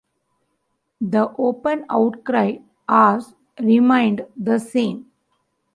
The open outcry hours remained the same.